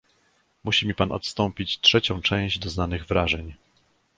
"Musi mi pan odstąpić trzecią część doznanych wrażeń."